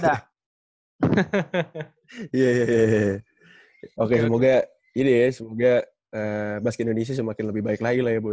iya iya iya oke semoga ini ya semoga basket indonesia semakin lebih baik lagi lah ya bu